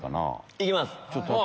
行きます！